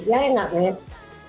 ya enggak mes